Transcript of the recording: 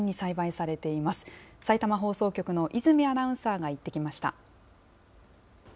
さいたま放送局の泉アナウンサーが行ってきました。